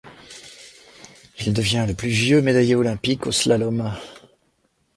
Il devient le plus vieux médaillé olympique en slalom.